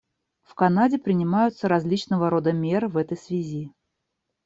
В Канаде принимаются различного рода меры в этой связи.